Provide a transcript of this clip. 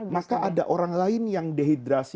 maka ada orang lain yang dehidrasi